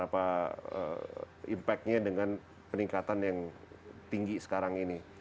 apa impact nya dengan peningkatan yang tinggi sekarang ini